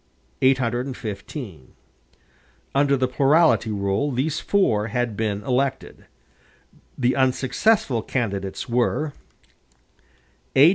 815 Under the plurality rule, these four had been elected. The unsuccessful candidates were: A.